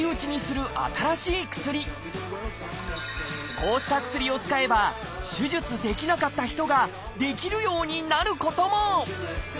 こうした薬を使えば手術できなかった人ができるようになることも！